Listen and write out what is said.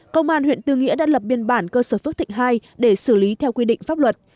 công an huyện tư nghĩa đã lập biên bản cơ sở phước thịnh hai để xử lý theo quy định pháp luật